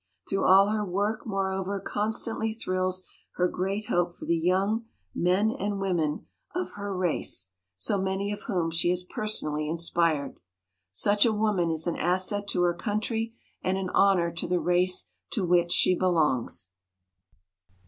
Through all her work moreover constantly thrills her great hope for the young men and women of her 92 WOMEN OF ACHIEVEMENT race, so many of whom she has personally inspired. Such a woman is an asset to her country and an honor to the race to which she be longs.